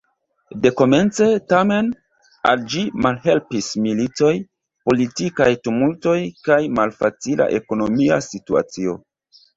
Dekomence, tamen, al ĝi malhelpis militoj, politikaj tumultoj kaj malfacila ekonomia situacio.